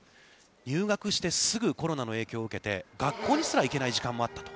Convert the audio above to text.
入学してすぐコロナの影響を受けて、学校にすら行けない時間もあったと。